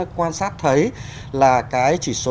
quan sát thấy là cái chỉ số